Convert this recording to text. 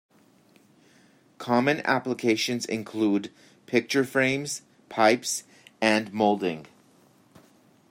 Common applications include picture frames, pipes, and molding.